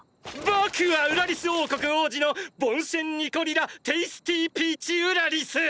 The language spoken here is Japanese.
僕はウラリス王国王子のボンシェン・ニコリ・ラ・テイスティピーチ＝ウラリス！！